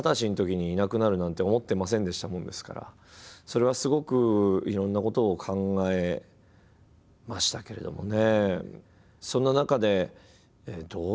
でも僕それはすごくいろんなことを考えましたけれどもね。